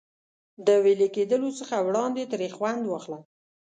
د وېلې کېدلو څخه وړاندې ترې خوند واخله.